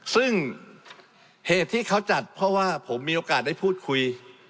ซึ่งเหตุที่เขาจัดเพราะว่าผมมีโอกาสได้พูดคุย